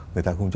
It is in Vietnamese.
người ta không